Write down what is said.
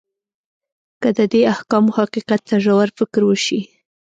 که د دې احکامو حقیقت ته ژور فکر وشي.